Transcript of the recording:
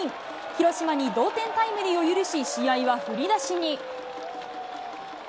広島に同点タイムリーを許し、試合は振り出しに。